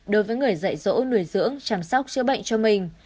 đối với người dạy dỗ nuôi dưỡng chăm sóc chữa bệnh cho mình